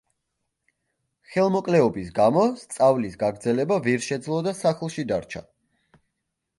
ხელმოკლეობის გამო სწავლის გაგრძელება ვერ შეძლო და სახლში დარჩა.